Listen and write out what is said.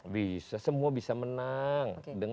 bisa semua bisa menang